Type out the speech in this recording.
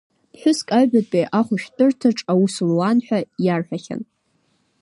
Ԥҳәыск аҩбатәи ахәшәтәырҭаҿ аус луан ҳәа иарҳәахьан.